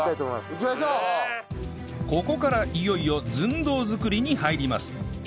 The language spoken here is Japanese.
ここからいよいよ寸胴作りに入ります